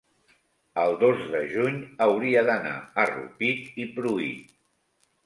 el dos de juny hauria d'anar a Rupit i Pruit.